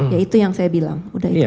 ya itu yang saya bilang udah itu